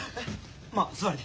まあ座り。